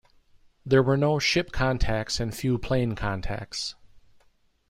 There were no ship contacts and few plane contacts.